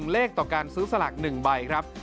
เลขต่อการซื้อสลาก๑ใบครับ